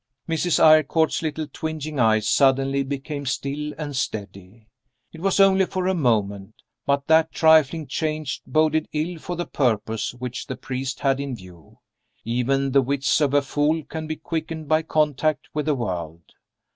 Mrs. Eyrecourt's little twinging eyes suddenly became still and steady. It was only for a moment. But that trifling change boded ill for the purpose which the priest had in view. Even the wits of a fool can be quickened by contact with the world.